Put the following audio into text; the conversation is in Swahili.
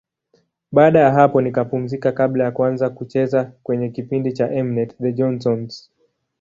Baada ya hapo nikapumzika kabla ya kuanza kucheza kwenye kipindi cha M-net, The Johnsons.